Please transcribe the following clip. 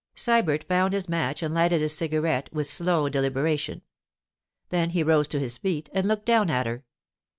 Sybert found his match and lighted his cigarette with slow deliberation. Then he rose to his feet and looked down at her.